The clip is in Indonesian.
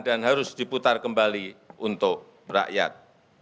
dan harus diputar kembali untuk rakyat